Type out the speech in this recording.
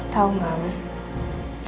tau gak mam